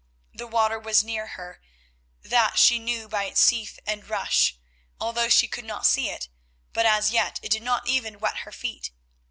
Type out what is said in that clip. The water was near her; that she knew by its seethe and rush, although she could not see it, but as yet it did not even wet her feet.